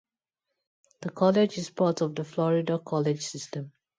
The college is part of the Florida College System.